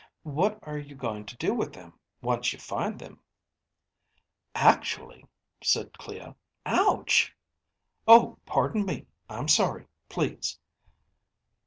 what are you going to do with them, once you find them?" "Actually," said Clea. "Ouch ..." "Oh, pardon me, I'm sorry, please